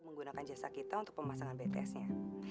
menggunakan jasa kita untuk pemasangan btsnya